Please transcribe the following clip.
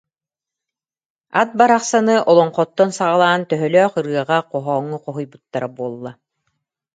Ат барахсаны олоҥхоттон саҕалаан төһөлөөх ырыаҕа, хоһооҥҥо хоһуйбуттара буолла